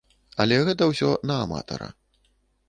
Але гэта ўсё на аматара.